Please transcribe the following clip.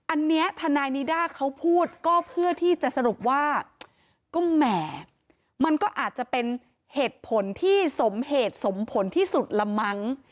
อันนี้ทนายนิด้าเขาพูดก็เพื่อที่จะสรุปว่าก็แหมมันก็อาจจะเป็นเหตุผลที่สมเหตุสมผลที่สุดละมั้ง